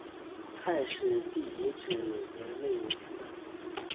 太史第遗址的历史年代为清代。